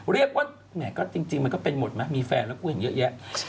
แหมก็จริงมันก็เป็นหมดไหมมีแฟนแล้วกูเห็นเยอะแยะ